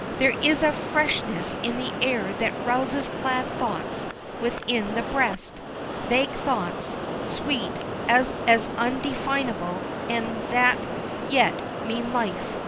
There is a freshness in the air that rouses glad thoughts within the breast, vague thoughts, sweet, as undefinable, and that yet mean life.